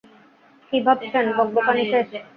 কী ভাবছেন, বকবকানি শেষ?